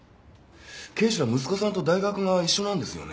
警視は息子さんと大学が一緒なんですよね。